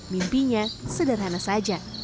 mimpinya sederhana saja